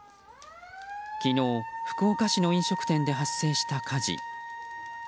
昨日、福岡市の飲食店で発生した火事。